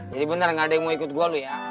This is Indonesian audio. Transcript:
jadi bentar gak ada yang mau ikut gue lu ya